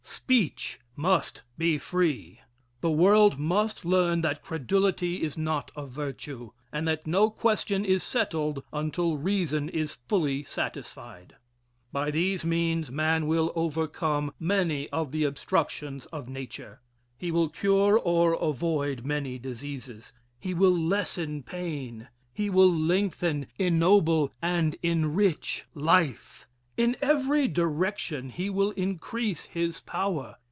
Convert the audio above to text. Speech must be free. The world must learn that credulity is not a virtue and that no question is settled until reason is fully satisfied. By these means man will overcome many of the obstructions of nature. He will cure or avoid many diseases. He will lessen pain. He will lengthen, ennoble and enrich life. In every direction he will increase his power.